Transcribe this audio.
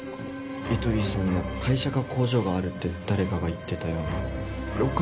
エトリさんの会社か工場があるって誰かが言ってたような